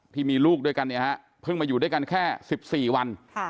ที่มีลูกด้วยกันเนี่ยฮะเพิ่งมาอยู่ด้วยกันแค่๑๔วัน